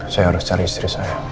saya harus cari istri saya